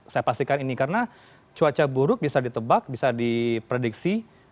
saya pastikan ini karena cuaca buruk bisa ditebak bisa diprediksi